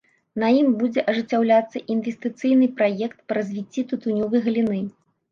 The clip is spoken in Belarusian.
На ім будзе ажыццяўляцца інвестыцыйны праект па развіцці тытунёвай галіны.